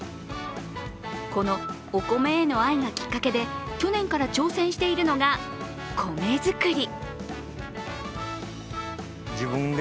このお米への愛がきっかけで去年から挑戦しているのが米作り。